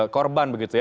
korban begitu ya